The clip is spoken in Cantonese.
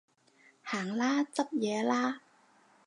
行啦，執嘢啦